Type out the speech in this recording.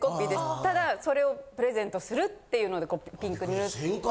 ただそれをプレゼントするっていうのでこうピンクに塗って。